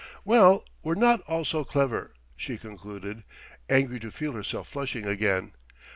"Well, we're not all so clever," she concluded, angry to feel herself flushing again.